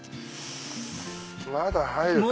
まだ入るか？